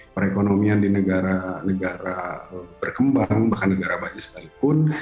perekonomian di negara negara berkembang bahkan negara baiknya sekalipun